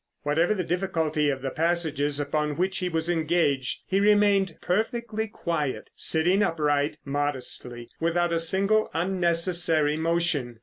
Whatever the difficulty of the passages upon which he was engaged, he remained perfectly quiet, sitting upright, modestly, without a single unnecessary motion.